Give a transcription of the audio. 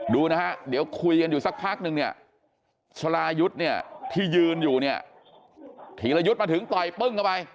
ดูนะฮะเดี๋ยวคุยกันอยู่สักพักนึงเนี่ยสรายุทธ์เนี่ยที่ยืนอยู่เนี่ยธีรยุทธ์มาถึงต่อยปึ้งเข้าไป